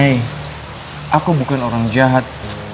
mei aku bukan orang jahat